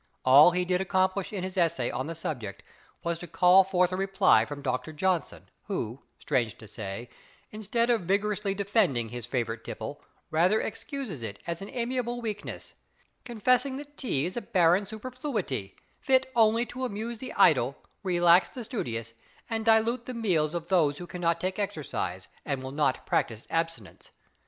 All he did accomplish in his essay on the subject was to call forth a reply from Dr. Johnson, who, strange to say, instead of vigorously defending his favorite tipple, rather excuses it as an amiable weakness; confessing that tea is a barren superfluity, fit only to amuse the idle, relax the studious, and dilute the meals of those who cannot take exercise, and will not practise abstinence.